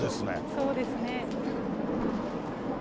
そうですね。